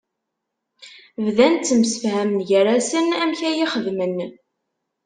Bdan ttemsefhamen gar-asen amek ad iyi-xedmen.